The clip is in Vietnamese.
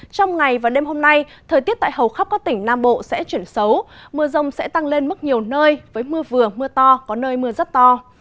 trong ngày và đêm hôm nay thời tiết tại hầu khắp các tỉnh nam bộ sẽ chuyển xấu mưa rông sẽ tăng lên mức nhiều nơi với mưa vừa mưa to có nơi mưa rất to